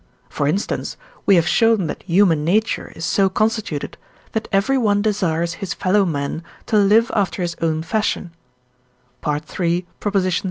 For instance, we have shown that human nature is so constituted, that everyone desires his fellow men to live after his own fashion (III.